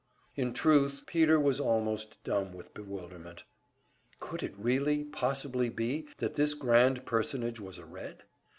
In truth, Peter was almost dumb with bewilderment. Could it really, possibly be that this grand personage was a Red?